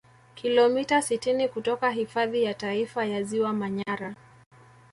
kilomita sitini kutoka hifadhi ya taifa ya ziwa manyara